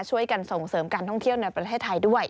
ช่วยกันส่งเสริมการท่องเที่ยวในประเทศไทยด้วย